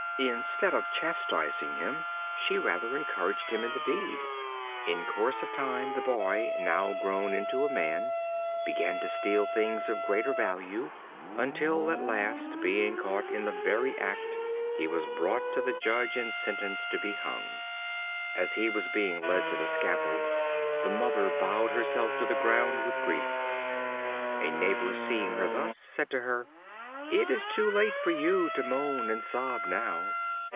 Instead of chastising him, she rather encouraged him in the deed. In course of time the boy, now grown into a man, began to steal things of greater value, until, at last, being caught in the very act, he was brought to the Judge and sentenced to be hung. As he was being led to the scaffold, the mother bowed herself to the ground with grief. A neighbor seeing her thus, said to her: "It is too late for you to moan and sob now.